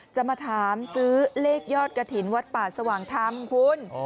จะมาถามซื้อเลขยอดกระถิ่นวัดป่าสว่างธรรมคุณ